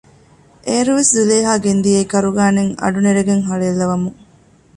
އޭރުވެސް ޒުލޭހާ ގެންދިއައީ ކަރުގައި ނެތް އަޑު ނެރެގެން ހަޅޭއްލަވަމުން